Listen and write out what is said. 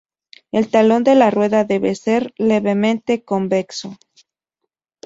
El talón de la rueda debe ser levemente convexo.